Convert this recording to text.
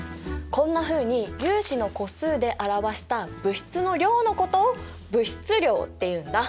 こんなふうに粒子の個数で表した物質の量のことを物質量っていうんだ。